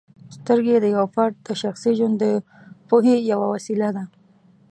سترګې د یو فرد د شخصي ژوند د پوهې یوه وسیله ده.